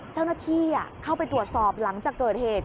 เจ้าหน้าที่เข้าไปตรวจสอบหลังจากเกิดเหตุ